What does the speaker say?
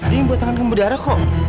ini buat tangankamu bedara kok